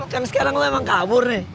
kan sekarang lo emang kabur nih